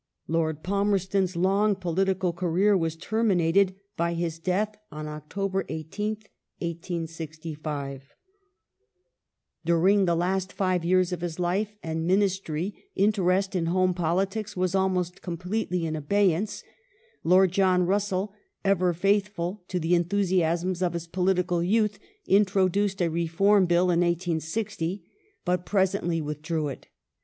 Lord Palmerston's long political career was terminated by his death on October 18th, 1865. 328 THE RULE OF LORD PALMERSTON [1860 Home Durinor the last five years of his life and Ministry interest in ^86 ^"^86 ^^^^^ politics was almost completely in al)eyance, Lord John Russell, ever faithful to the enthusiasms of his political youth, introduced a Reform Rill in 1860, but presently withdrew it.